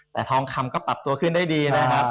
แต่ทองคำก็ปรับตัวขึ้นได้ดีนะครับ